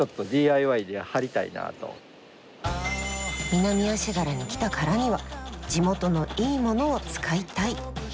南足柄に来たからには地元の良い物を使いたい！